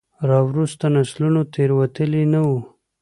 راوروسته نسلونو تېروتلي نه وو.